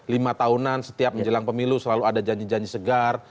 lima tahunan setiap menjelang pemilu selalu ada janji janji segar